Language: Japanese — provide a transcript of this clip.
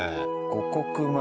五穀米。